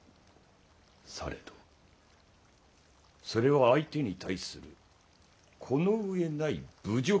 されどそれは相手に対するこの上ない侮辱である。